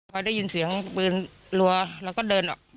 พอได้ยินเสียงปืนรัวแล้วก็เดินออก